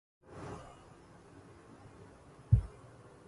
منشورات فدائية على جدران إسرائيل